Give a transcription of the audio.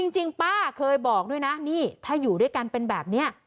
จริงป้าเคยบอกด้วยนะนี่ถ้าอยู่ด้วยกันเป็นแบบนี้